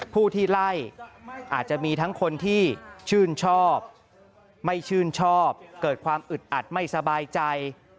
ผู้ที่ไล่อาจจะมีทั้งคนที่ชื่นชอบไม่ชื่นชอบเกิดความอึดอัดไม่สบายใจ